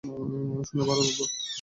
শুনে ভালো লাগল।